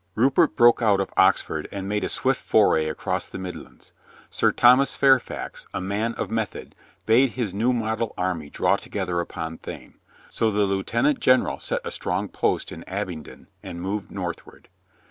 Rupert broke out of Oxford and made a swift foray .across the midlands. Sir Thomas Fairfax, a man of method, bade his New Model army draw together upon Thame. So the lieutenant general set a strong post in Abingdon and moved northward.